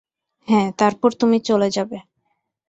হ্যাঁ, তারপর তুমি চলে যাবে।